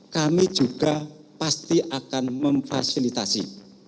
kami juga pasti akan memfasilitasi